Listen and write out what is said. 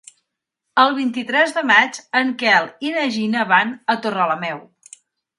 El vint-i-tres de maig en Quel i na Gina van a Torrelameu.